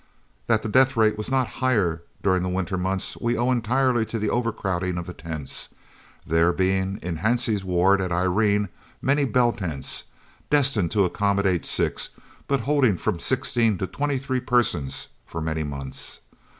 That the death rate was not higher during the winter months we owe entirely to the overcrowding of the tents, there being in Hansie's ward at Irene many bell tents, destined to accommodate six, holding from sixteen to twenty three persons for many months.